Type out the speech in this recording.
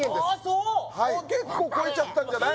そういいよ結構超えちゃったんじゃない？